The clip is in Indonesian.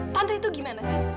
tante itu gimana sih